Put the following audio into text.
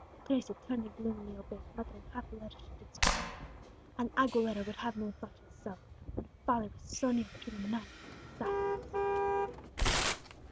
Teresa turned, and gloomily obeyed, muttering half aloud as she did so, "An Aguilera would have had no thought of self, when a father was so near to the knives of assassins!"